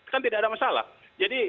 kan tidak ada masalah jadi